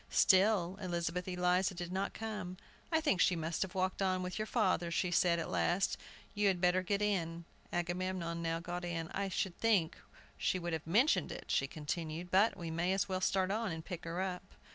Still Elizabeth Eliza did not come. "I think she must have walked on with your father," she said, at last; "you had better get in." Agamemnon now got in. "I should think she would have mentioned it," she continued; "but we may as well start on, and pick her up!"